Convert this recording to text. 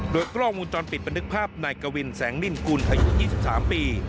โดยกล้องวงจรปิดบันทึกภาพนายกวินแสงนินกุลอายุ๒๓ปี